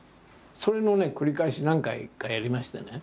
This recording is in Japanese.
それの繰り返し何回かやりましてね。